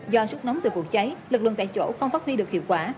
do sức nóng từ vụ cháy lực lượng tại chỗ không phát huy được hiệu quả